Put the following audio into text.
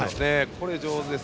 これは上手です。